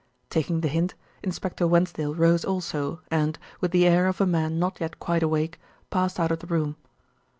Taking the hint, Inspector Wensdale rose also and, with the air of a man not yet quite awake, passed out of the room.